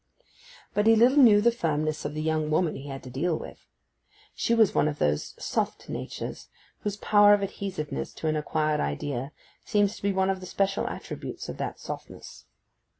But he little knew the firmness of the young woman he had to deal with. She was one of those soft natures whose power of adhesiveness to an acquired idea seems to be one of the special attributes of that softness.